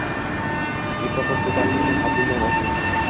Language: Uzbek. mikrofon koʻtardingmi, haddingdan oshma.